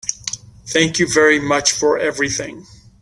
Thank you very much for everything.